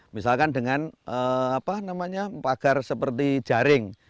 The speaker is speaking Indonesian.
misalkan dengan apa namanya pagar seperti jaring